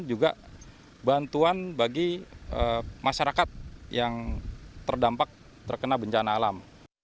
juga bantuan bagi masyarakat yang terdampak terkena bencana alam